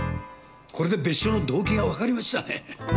これで別所の動機がわかりましたね。